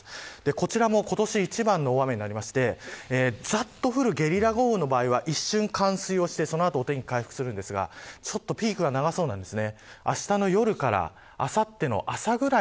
こちらも今年一番の大雨になりましてざっと降るゲリラ豪雨の場合は一瞬冠水をしてその後お天気回復するんですがちょっとピークは長そうです。